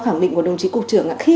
khẳng định của đồng chí cục trưởng khi